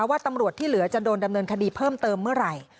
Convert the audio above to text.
ว่าตำรวจที่เหลือจะโดนดำเนินคดีเพิ่มเติมเมื่อไหร่